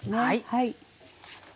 はい。